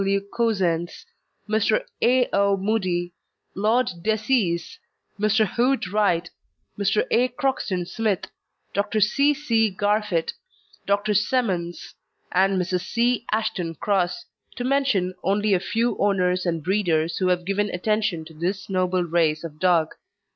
W. Cousens, Mr. A. O. Mudie, Lord Decies, Mr. Hood Wright, Mr. A. Croxton Smith, Dr. C. C. Garfit, Dr. Semmence, and Mrs. C. Ashton Cross, to mention only a few owners and breeders who have given attention to this noble race of dog.